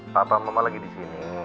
papa mama lagi di sini